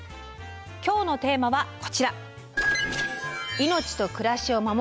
今日のテーマはこちら。